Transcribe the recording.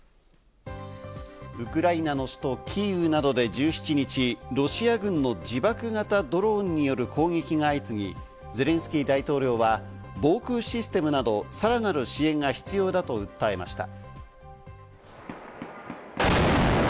ウクライナの首都キーウなどで１７日、ロシア軍の自爆型ドローンによる攻撃が相次ぎ、ゼレンスキー大統領は防空システムなど、さらなる支援が必要だと訴えました。